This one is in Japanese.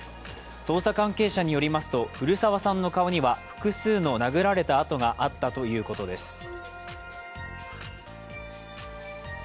捜査関係者によりますと古澤さんの顔には複数の殴られた痕があったということです。